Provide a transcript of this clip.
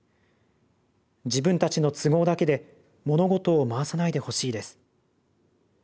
自分たちの都合だけで物事を回さないでほしいです。